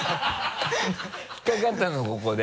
引っかかったのここで。